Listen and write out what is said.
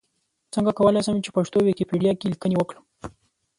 څنګه کولای شم چې پښتو ويکيپېډيا کې ليکنې وکړم؟